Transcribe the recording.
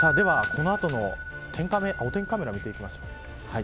では、この後のお天気カメラを見ていきましょう。